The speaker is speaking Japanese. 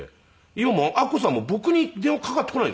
今もうアッコさんも僕に電話かかってこないです。